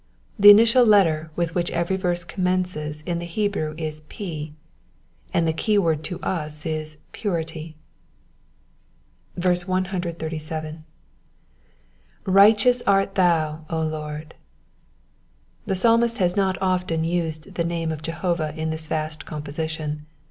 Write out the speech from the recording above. The initial letter with which every verse commences in the Hebrew is P, and the keyword to us is Purity. 137. ^*Iiighteou8 art thou, Lord.*' The Psalmist has not often used the name of Jehovah in this vast composition.